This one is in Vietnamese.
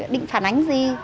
định phản ánh gì